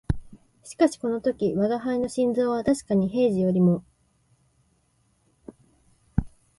しかしこの時吾輩の心臓はたしかに平時よりも烈しく鼓動しておった